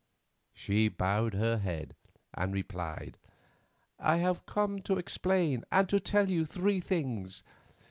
She bowed her head, and replied, "I have come to explain and to tell you three things.